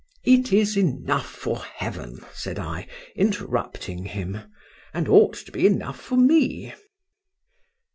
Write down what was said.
—It is enough for heaven! said I, interrupting him,—and ought to be enough for me.